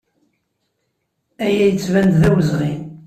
Aya yettban-d d awezɣi.